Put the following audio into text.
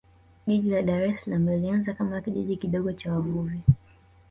jiji la dar es salaam lilianza kama kijiji kidogo cha wavuvi